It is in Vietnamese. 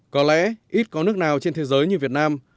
có lẽ ít có nước nào trên thế giới như việt nam